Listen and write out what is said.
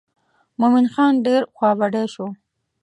مومن خان ډېر خوا بډی شو.